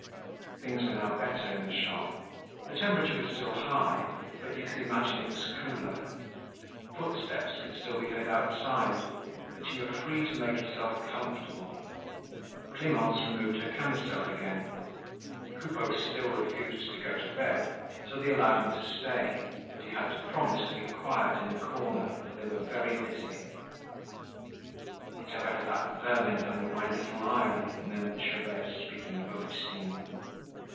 Things were now better in the shop. The temperature was still high, but you could imagine it was cooler. Footsteps could still be heard outside but you were free to make yourself comfortable. Clemence removed her camisole again. Coupeau still refused to go to bed, so they allowed him to stay, but he had to promise to be quiet in a corner, for they were very busy. "Whatever has that vermin done with my little iron?" murmured Gervaise, speaking of Augustine.